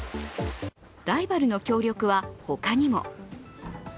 ライバルの協力は、ほかにも。